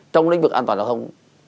trong lĩnh vực an toàn giao thông